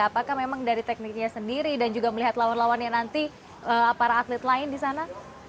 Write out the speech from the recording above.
apakah memang dari tekniknya sendiri dan juga melihat lawan lawannya nanti para atlet lain di sana